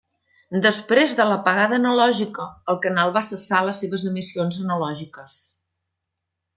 Després de l'apagada analògica, el canal va cessar les seves emissions analògiques.